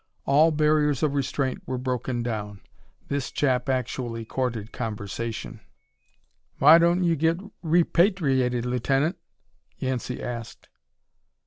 All barriers of restraint were broken down. This chap actually courted conversation. "Why don't you get repatriated, Lieutenant?" Yancey asked.